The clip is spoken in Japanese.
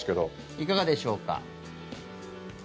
いかがでしょうか。